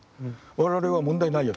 「我々は問題ないよ。